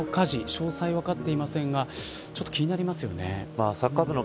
詳細は分かっていませんがちょっと気になりますよね。